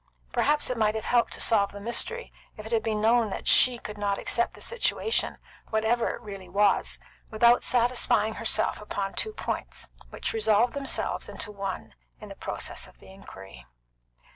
Perhaps it might have helped solve the mystery if it had been known that she could not accept the situation, whatever it really was, without satisfying herself upon two points, which resolved themselves into one in the process of the inquiry.